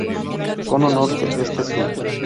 Cono Norte, Este, Sur"".